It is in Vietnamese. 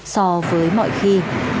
so với mọi khi